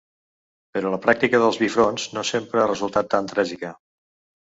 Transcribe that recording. Però la pràctica dels bifronts no sempre ha resultat tan tràgica.